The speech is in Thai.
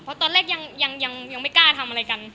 เพราะตอนแรกยังไม่กล้าทำอะไรกัน